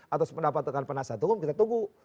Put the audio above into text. atau sependapat dengan penasihat hukum kita tunggu